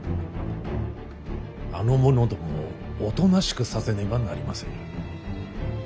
あの者どもをおとなしくさせねばなりませぬ。